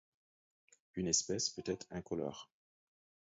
Une espèce peut être incolore.